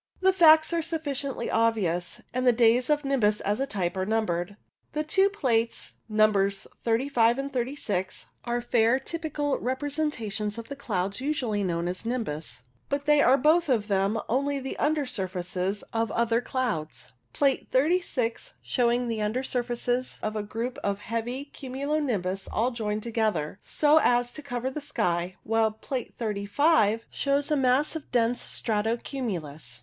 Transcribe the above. The facts are sufficiently obvious, and the days of nimbus as a type are numbered. The two plates, Nos. 35 and 36, are fair typical representations of the clouds usually known as nimbus ; but they are both of them only the under surfaces of other clouds, Plate 36 showing the under surfaces of a group of heavy cumulo nimbus all joined together so as to cover the sky, while Plate 35 shows a mass of dense strato cumulus.